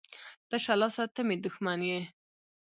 تشه لاسه ته مي دښمن يي.